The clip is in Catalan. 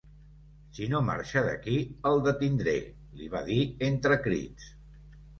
Si no marxa d’aquí el detindré, li va dir entre crits.